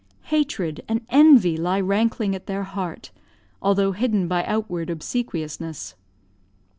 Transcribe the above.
Hatred and envy lie rankling at their heart, although hidden by outward obsequiousness.